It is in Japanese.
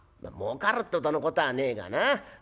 「もうかるってほどのことはねえがな